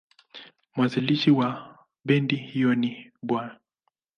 Mwanzilishi wa bendi hiyo ni Bw.